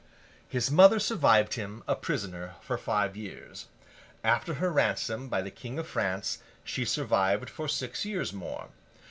His mother survived him, a prisoner, for five years; after her ransom by the King of France, she survived for six years more.